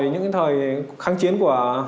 những thời kháng chiến của